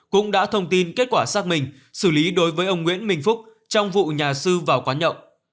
cũng đã thông tin kết quả xác minh xử lý đối với ông nguyễn minh phúc trong vụ nhà sư vào quán nhậu